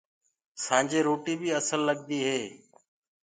سآنجي روٽي بي اسل لگدي هي۔